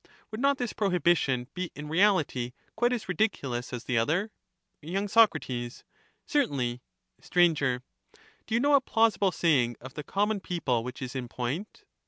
— would not this prohibition be m reality quite as own laws, if ridiculous as the other? he came to Y. Sac. Certainly. *^^^"' Sir. Do you know a plausible saying of the common people which is in point